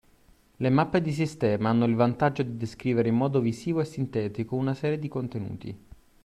Le mappe di sistema hanno il vantaggio di descrivere in modo visivo e sintetico una serie di contenuti